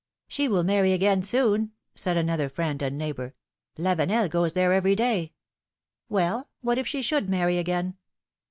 She will marry again soon/' said another friend and neighbor ; Lavenel goes there every day." Well ! what if she should marry again?"